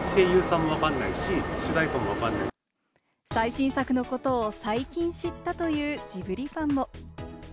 最新作のことを最近知ったというジブリファンも。